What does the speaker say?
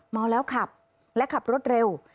เมาแล้วขับและขับรถเร็ว